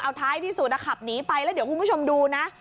เอาท้ายที่สุดขับหนีไปแล้วเดี๋ยวคุณผู้ชมดูนะ